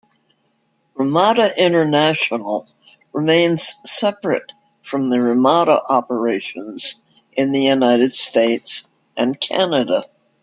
Ramada International remains separate from the Ramada operations in the United States and Canada.